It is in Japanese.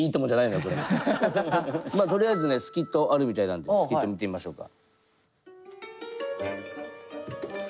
まあとりあえずねスキットあるみたいなんでスキット見てみましょうか。